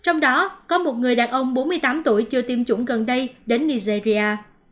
trong đó có một người đàn ông bốn mươi tám tuổi chưa tiêm chủng gần đây đến nigeria